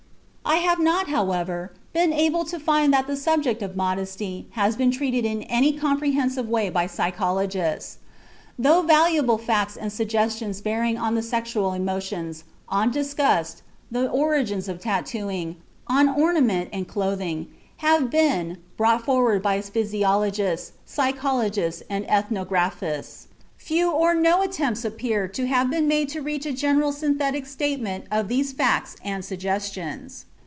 I have not, however, been, able to find that the subject of modesty has been treated in any comprehensive way by psychologists. Though valuable facts and suggestions bearing on the sexual emotions, on disgust, the origins of tatooing, on ornament and clothing, have been, brought forward by physiologists, psychologists, and ethnographists, few or no attempts appear to have been made to reach a general synthetic statement of these facts and suggestions.